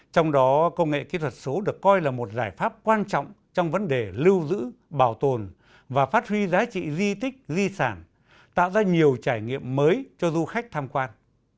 trong đó công nghệ kỹ thuật số được coi là một giải pháp quan trọng trong vấn đề lưu giữ bảo tồn và phát huy giá trị di tích di sản tạo ra nhiều trải nghiệm mới cho du khách tham quan